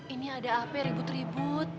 ini ada apa ya ribut ribut